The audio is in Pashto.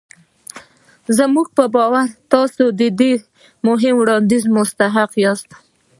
زموږ په باور تاسې د دې مهم وړانديز مستحق ياست.